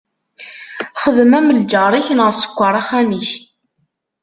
Xdem am lǧaṛ-ik, neɣ sekkeṛ axxam-ik!